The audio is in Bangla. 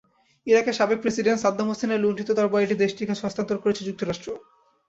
ইরাকের সাবেক প্রেসিডেন্ট সাদ্দাম হোসেনের লুণ্ঠিত তরবারিটি দেশটির কাছে হস্তান্তর করেছে যুক্তরাষ্ট্র।